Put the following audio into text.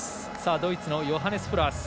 ドイツのヨハネス・フロアス。